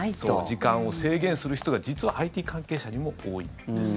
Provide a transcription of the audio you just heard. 時間を制限する人が実はＩＴ関係者にも多いです。